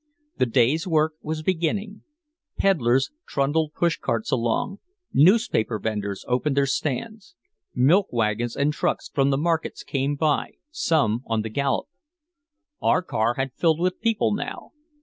The day's work was beginning. Peddlers trundled push carts along, newspaper vendors opened their stands, milk wagons and trucks from the markets came by, some on the gallop. Our car had filled with people now.